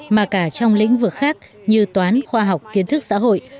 mà cả trong lĩnh vực khác như toán khoa học kiến thức xã hội